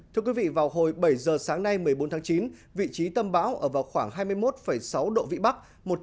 thưa quý vị vào hồi bảy giờ sáng nay một mươi bốn tháng chín vị trí tâm bão ở vào khoảng hai mươi một sáu độ vĩ bắc